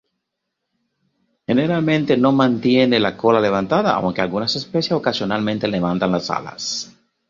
Generalmente no mantienen la cola levantada, aunque algunas especies ocasionalmente levantan las alas.